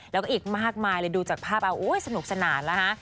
แล้วก็อีกมากมายเลยดูจากภาพเอาสนุกสนานแล้วฮะ